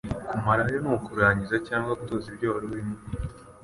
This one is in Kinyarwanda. Kumarayo n' ukurangiza cyangwa gusoza ibyo warurimo